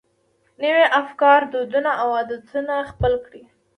نوي افکار، دودونه او عادتونه خپل کړي.